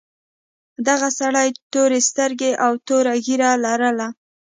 دغه سړي تورې سترګې او تور ږیره لرله.